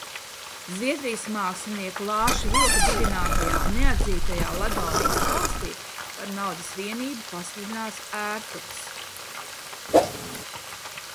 Zviedrijas mākslinieka Lāša Vilka dibinātājā neatzītajā Ladonijas valstī par naudas vienību pasludināts ērtugs.